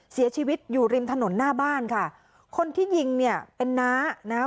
เสียชีวิตอยู่ริมถนนหน้าบ้านค่ะคนที่ยิงเนี่ยเป็นน้านะคะ